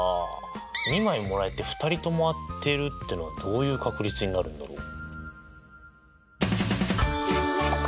２枚もらえて２人とも当てるっていうのはどういう確率になるんだろう？